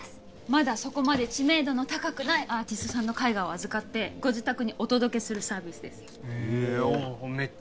まだそこまで知名度の高くないアーティストさんの絵画を預かってご自宅にお届けするサービスですへえあっ